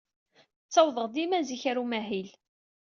Ttawḍeɣ dima zik ɣer umahil.